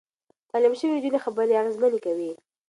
تعليم شوې نجونې خبرې اغېزمنې کوي.